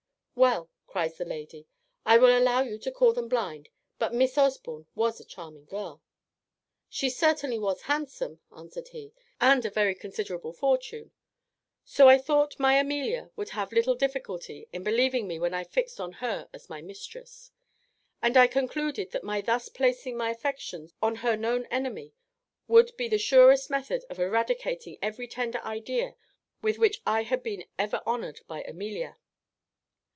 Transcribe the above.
"Well," cries the lady, "I will allow you to call them blind; but Miss Osborne was a charming girl." "She certainly was handsome," answered he, "and a very considerable fortune; so I thought my Amelia would have little difficulty in believing me when I fixed on her as my mistress. And I concluded that my thus placing my affections on her known enemy would be the surest method of eradicating every tender idea with which I had been ever honoured by Amelia.